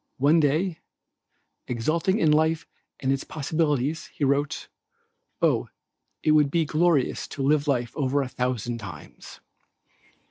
One day, exulting in life and its possibilities he writes, "Oh, it would be glorious to live life over a thousand times."